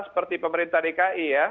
seperti pemerintah dki ya